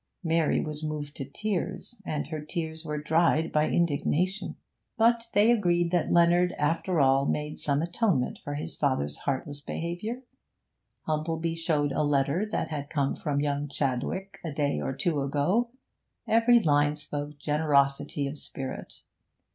Mary was moved to tears, and her tears were dried by indignation. But they agreed that Leonard, after all, made some atonement for his father's heartless behaviour. Humplebee showed a letter that had come from young Chadwick a day or two ago; every line spoke generosity of spirit.